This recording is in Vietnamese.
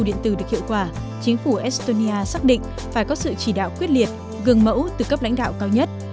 estonia xác định phải có sự chỉ đạo quyết liệt gương mẫu từ cấp lãnh đạo cao nhất